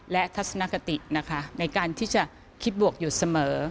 และทัศนคตินะคะในการที่จะคิดบวกอยู่เสมอ